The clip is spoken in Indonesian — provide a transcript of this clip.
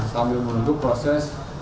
sambil menutup proses